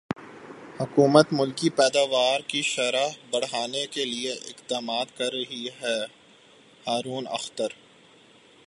حکومت ملکی پیداوار کی شرح بڑھانے کیلئے اقدامات کر رہی ہےہارون اختر